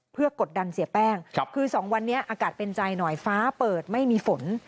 เพื่อกดดันเสียแป้งคือ๒วันนี้อากาศเป็นใจหน่อยฟ้าเปิดไม่มีฝน